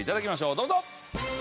どうぞ。